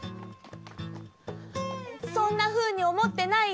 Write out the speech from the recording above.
そんなふうにおもってないよ。